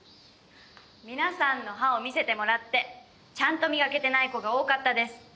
皆さんの歯を見せてもらってちゃんと磨けてない子が多かったです。